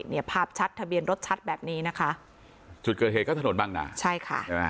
เนี่ยภาพชัดทะเบียนรถชัดแบบนี้นะคะจุดเกิดเหตุก็ถนนบางนาใช่ค่ะใช่ไหม